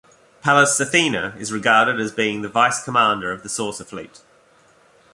Pallas Athena is regarded as being the Vice-Commander of the saucer fleet.